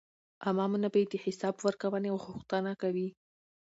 عامه منابع د حساب ورکونې غوښتنه کوي.